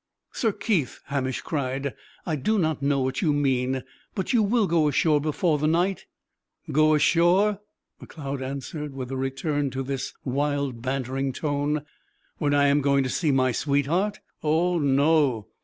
"Sir Keith!" Hamish cried, "I do not know what you mean! But you will go ashore before the night?" "Go ashore?" Macleod answered, with a return to this wild bantering tone, "when I am going to see my sweetheart? Oh no!